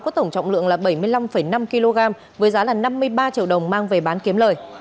có tổng trọng lượng là bảy mươi năm năm kg với giá là năm mươi ba triệu đồng mang về bán kiếm lời